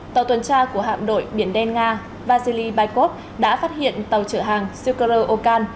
tàu tuần tra của hạm đội biển đen nga vasily baikov đã phát hiện tàu trở hàng sukhorov okan